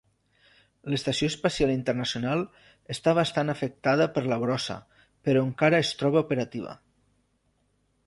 L'Estació Espacial Internacional està bastant afectada per la brossa, però encara es troba operativa.